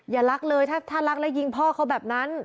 รักเลยถ้ารักแล้วยิงพ่อเขาแบบนั้น